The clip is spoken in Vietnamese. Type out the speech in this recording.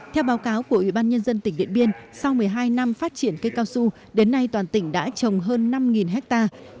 theo báo cáo của ủy ban nhân dân tỉnh điện biên sau một mươi hai năm phát triển cây cao su đến nay toàn tỉnh đã trồng hơn năm hectare